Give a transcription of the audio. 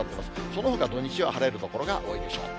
そのほか、土日は晴れる所が多いでしょう。